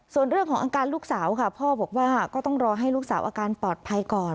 ส่วนเรื่องของอาการลูกสาวค่ะพ่อบอกว่าก็ต้องรอให้ลูกสาวอาการปลอดภัยก่อน